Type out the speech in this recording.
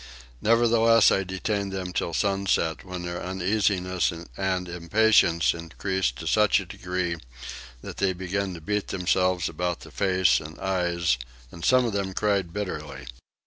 Nevertheless I detained them till sunset, when their uneasiness and impatience increased to such a degree that they began to beat themselves about the face and eyes and some of them cried bitterly.